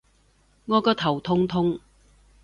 我個頭痛痛